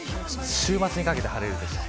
週末にかけて晴れるでしょう。